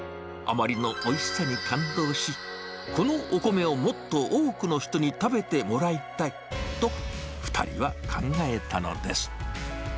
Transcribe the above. あまりのおいしさに感動し、このお米をもっと多くの人に食べてもらいたいと、２人は考えたのです。